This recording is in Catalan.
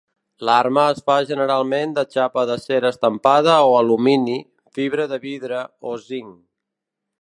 L'arma es fa generalment de xapa d'acer estampada o alumini, fibra de vidre, o zinc.